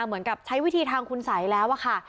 เหมือนกับใช้วิธีทางคุณสัยแล้วอะค่ะ